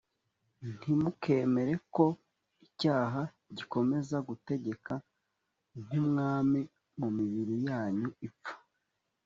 ntimukemere ko icyaha gikomeza gutegeka nk umwami mu mibiri yanyu ipfa